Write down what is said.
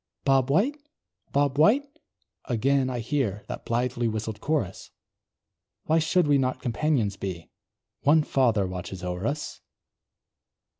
"Bob White! Bob White!" again I hear That blithely whistled chorus, Why should we not companions be? One Father watches o'er us!